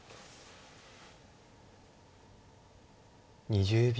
２０秒。